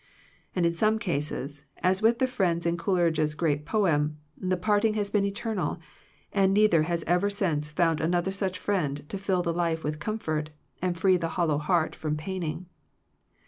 *' And in some cases, as with the friends in Coleridge's great poem, the parting has been eternal, and neither has ever since found another such friend to fill the life with' comfort, and free the hollow heart from paining.